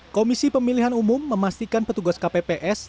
komisi pemilihan umum memastikan petugas kpps